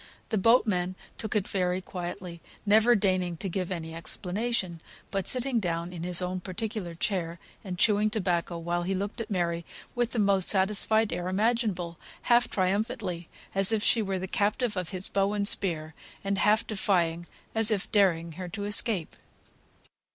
The boatman took it very quietly, never deigning to give any explanation, but sitting down in his own particular chair, and chewing tobacco, while he looked at Mary with the most satisfied air imaginable, half triumphantly, as if she were the captive of his bow and spear, and half defyingly, as if daring her to escape.